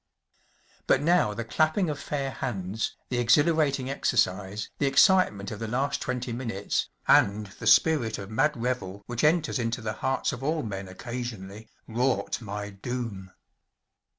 But now the clapping of fair hands, the exhilarating exercise, the excitement of the last twenty minutes, and the spirit of mad revel which enters into the hearts of all men occasionally, wrought my doom.